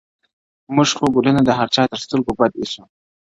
موږ خو گلونه د هر چا تر ســتـرگو بد ايـسـو.